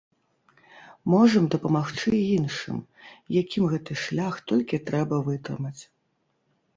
Можам дапамагчы іншым, якім гэты шлях толькі трэба вытрымаць.